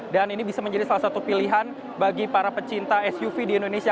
dan ini bisa menjadi salah satu pilihan bagi para pecinta suv di indonesia